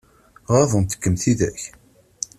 Ɣaḍent-kem tidak?